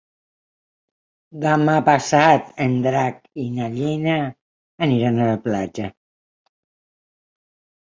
Demà passat en Drac i na Lena aniran a la platja.